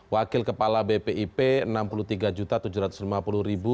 wakil kepala bpip rp enam puluh tiga tujuh ratus lima puluh